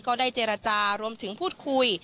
ก็ได้เจรจารวมถึงพูดคุย